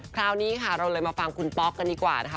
คราวนี้ค่ะเราเลยมาฟังคุณป๊อกกันดีกว่านะคะ